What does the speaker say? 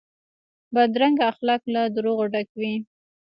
بدرنګه اخلاق له دروغو ډک وي